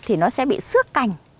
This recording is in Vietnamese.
thì nó sẽ bị xước cành